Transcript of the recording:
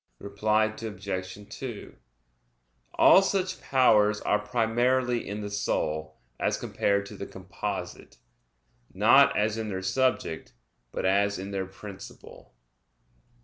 Reply Obj. 2: All such powers are primarily in the soul, as compared to the composite; not as in their subject, but as in their principle.